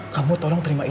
kamu tolong terima kasih